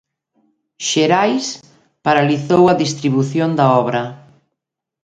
Xerais paralizou a distribución da obra.